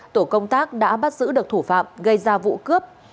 tổ công tác đã bắt giữ được thủ phạm gây ra vụ cướp